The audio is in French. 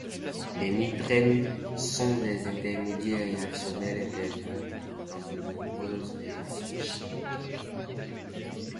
Les nitrènes sont des intermédiaires réactionnels intervenant dans de nombreuses réactions chimiques.